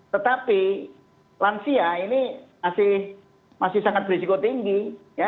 tetapi lansia ini masih masih sangat berisiko tinggi ya